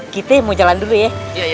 kiti mau jalan dulu ya